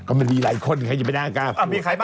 มีใครบ้างอาจารย์ทำไมพูดอย่างนี้ครับ